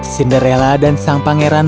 cinderella dan sang pangeran